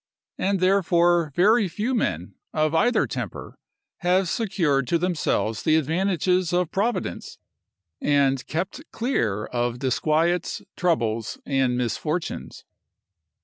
And, therefore, very few men, of either temper, have secured to themselves the advantages of providence, and kept clear of disquiets, troubles, and misfortunes.